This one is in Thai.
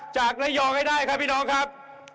จากระยองให้ได้ครับพี่น้องครับ